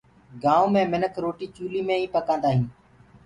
گآئونٚ مي مِنک روٽي چوليٚ مي ئي پڪآندآ هينٚ